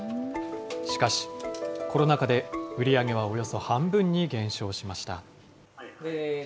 しかし、コロナ禍で売り上げはおよそ半分に減少しました。